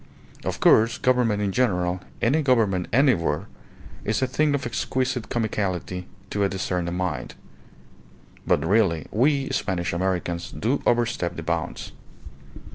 Of course, government in general, any government anywhere, is a thing of exquisite comicality to a discerning mind; but really we Spanish Americans do overstep the bounds.